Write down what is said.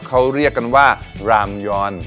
เขาเรียกกันว่ารามยอน